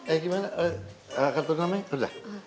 eh gimana kartu namanya udah